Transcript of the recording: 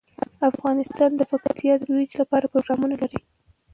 افغانستان د پکتیکا د ترویج لپاره پروګرامونه لري.